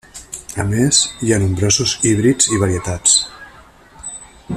A més, hi ha nombrosos híbrids i varietats.